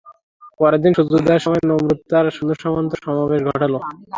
পরের দিন সূর্যোদয়ের সময় নমরূদ তার সৈন্য-সামন্তের সমাবেশ ঘটালো।